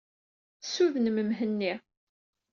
Ssudnem Mhenni.